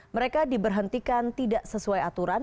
mereka diberhentikan tidak sesuai aturan